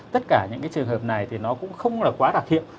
tất cả những cái trường hợp này thì nó cũng không là quá đặc hiệu